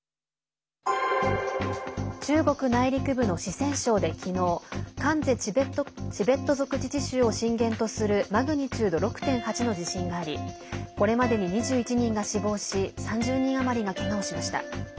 中国内陸部の四川省で昨日カンゼ・チベット族自治州を震源とするマグニチュード６．８の地震がありこれまでに２１人が死亡し３０人余りがけがをしました。